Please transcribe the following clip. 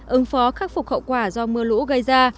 ứng phó khắc phục hậu quả do mưa lũ gây ra